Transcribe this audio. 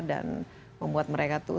dan membuat mereka tuh